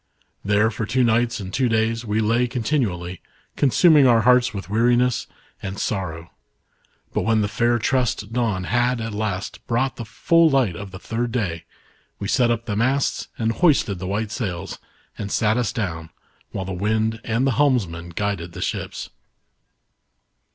There for two nights and two days, we lay continually, consuming our hearts with weariness and sorrow. But when the fair tressed dawn had, at last, brought the full light of the third day, we set up the masts and hoisted the white sails and sat us down, while the wind and the helmsman guided the ships.